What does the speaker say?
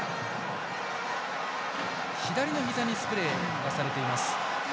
左のひざにスプレーがされています。